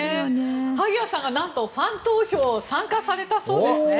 萩谷さんがなんとファン投票参加されたそうですね。